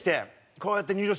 こうやって。